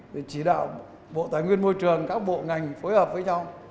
để chỉ đạo bộ tài nguyên môi trường các bộ ngành phối hợp với nhau